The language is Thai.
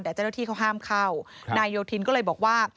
แต่เจ้าหน้าที่เขาห้ามเข้านายโยธินก็เลยบอกว่า